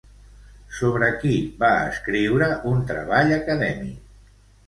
Sobre qui va escriure un treball acadèmic?